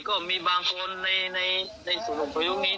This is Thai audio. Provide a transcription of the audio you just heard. ก็มีบางคนในส่วนประยุกต์นี้